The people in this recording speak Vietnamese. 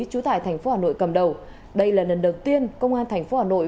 trú tải tp hà nội cầm đầu đây là lần đầu tiên công an tp hà nội